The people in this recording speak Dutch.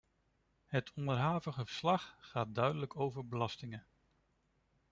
Het onderhavige verslag gaat duidelijk over belastingen.